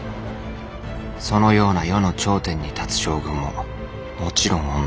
そのような世の頂点に立つ将軍ももちろん女。